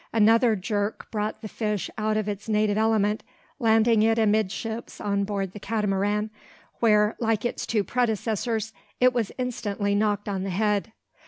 Another jerk brought the fish out of its native element, landing it amidships on board the Catamaran, where, like its two predecessors, it was instantly knocked on the head.